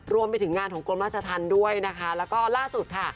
รวมไปถึงงานของกรมราชธรรมด้วยนะคะแล้วก็ล่าสุดค่ะ